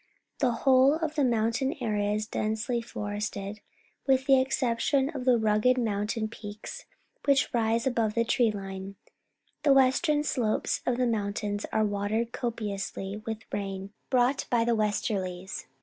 The whole of the mountain area is densely forested, with the exception of the rugged mountain peaks which rise above the tree line. The western slopes of the mountains are watered copiously with rain brought by the westerlies.